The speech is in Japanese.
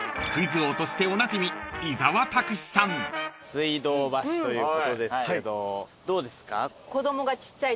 水道橋ということですけどどうですか？